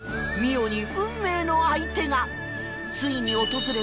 澪に運命の相手が！